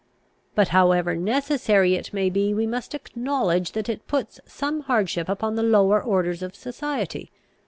But, however necessary it may be, we must acknowledge that it puts some hardship upon the lower orders of society.